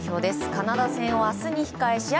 カナダ戦を明日に控え試合